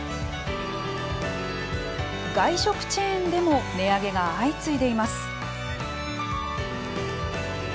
外食チェーンでも値上げが相次いでいます。